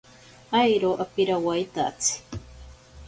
Airo apirawaitatsi.